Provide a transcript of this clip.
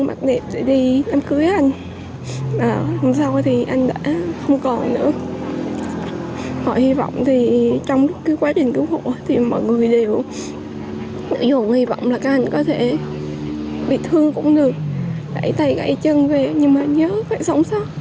mình có thể bị thương cũng được đẩy tay gãy chân về nhưng mà nhớ phải sống sót